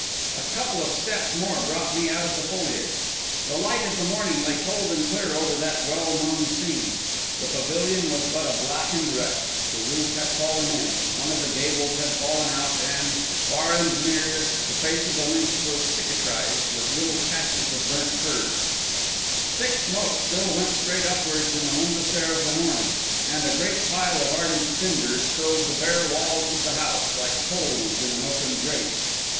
A couple of steps more brought me out of the foliage. The light of the morning lay cold and clear over that well known scene. The pavilion was but a blackened wreck; the roof had fallen in, one of the gables had fallen out; and, far and near, the face of the links was cicatrised with little patches of burnt furze. Thick smoke still went straight upwards in the windless air of the morning, and a great pile of ardent cinders filled the bare walls of the house, like coals in an open grate.